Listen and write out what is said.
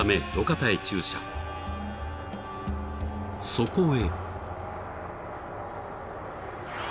［そこへ］